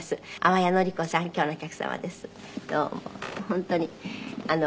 本当に。